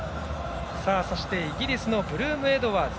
そしてイギリスのブルームエドワーズ。